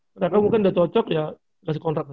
mereka mungkin udah cocok ya kasih kontrak saya